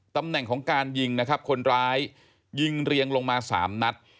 ตำแหน่งของการยิงนะครับคนร้ายยิงเรียงลงมา๓นัด